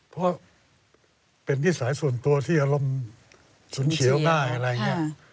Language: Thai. เพราะเป็นนิสัยส่วนตัวที่อารมณ์ฉุนเฉียวได้อะไรอย่างนี้